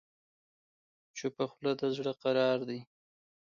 چپه خوله، د زړه قرار دی.